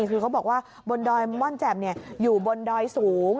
คือเขาบอกว่าบนดอยม่อนแจ่มอยู่บนดอยสูง